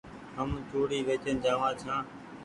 هم چوڙي وچيئن جآ وآن ڇآن ۔